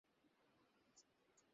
কেন আমিই-বা কী অপরাধ করেছি।